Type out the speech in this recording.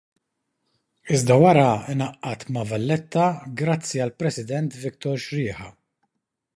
Iżda wara ngħaqadt ma' Valletta grazzi għall-President Victor Sciriha.